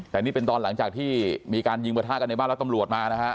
แต่นี่เป็นตอนหลังจากที่มีการยิงประทะกันในบ้านแล้วตำรวจมานะฮะ